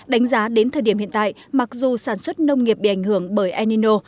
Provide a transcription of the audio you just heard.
đánh giá đến thời điểm hiện tại mặc dù sản xuất nông nghiệp bị ảnh hưởng bởi enino